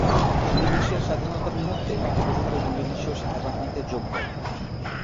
ইন্দোনেশিয়ার স্বাধীনতার মুহুর্তে নবগঠিত ইন্দোনেশীয় সেনাবাহিনীতে যোগ দেন।